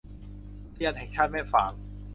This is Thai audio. อุทยานแห่งชาติแม่ฝาง